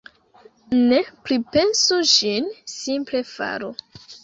Ne pripensu ĝin, simple faru.